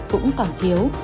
cũng còn thiếu